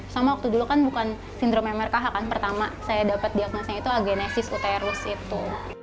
sama waktu dulu kan bukan sindrom mrkh kan pertama saya dapat diagnosnya itu agenesis uterus itu